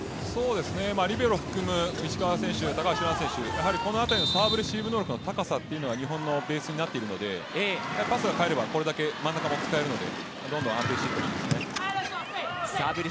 リベロ含む石川選手、高橋藍選手この辺りのサーブレシーブ能力の高さが日本のベースになっているのでパスが返ればこれだけ真ん中も使えるのでどんどん安定していますね。